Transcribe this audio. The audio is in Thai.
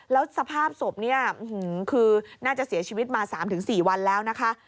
แล้วสภาพศพเนี่ยคือน่าจะเสียชีวิตมา๓๔วันแล้วนะคะ